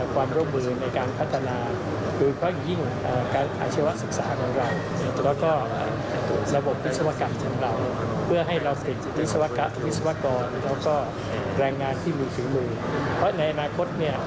การที่ผู้โดนศิษย์การเข้าข้อมูลสำคัญมาก